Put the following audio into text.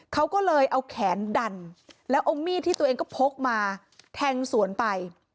เขาก็เลยเอาแขนดันแล้วเอามีดที่ตัวเองก็พกมาแทงสวนไป